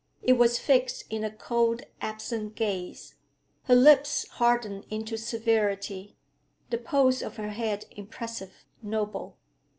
It was fixed in a cold, absent gaze; her lips hardened into severity, the pose of her head impressive, noble.